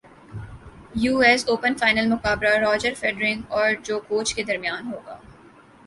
you S open final مقابلہ Roger Federer اور جوکووچ کے درمیان ہوگا